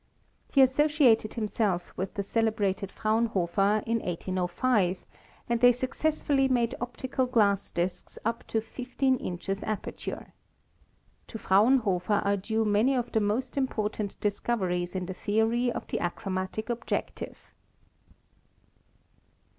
He as sociated himself with the celebrated Fraunhofer in 1805, and they successfully made optical glass disks up to fifteen inches aperture. To Fraunhofer are due many of the most important discoveries in the theory of the achromatic ob jective.